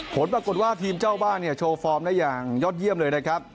ผลปรากฏว่าทีมเจ้าบ้านเนี่ยโชว์ฟอร์มได้อย่างยอดเยี่ยมเลยนะครับ